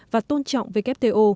và tôn trọng wto